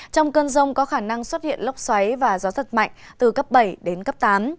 trong cơn rông có khả năng xuất hiện lốc xoáy và gió giật mạnh từ cấp bảy đến cấp tám